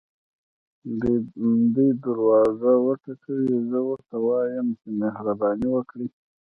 دی دروازه وټکوي زه ورته ووایم چې مهرباني وکړئ.